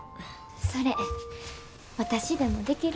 それ私でもできる？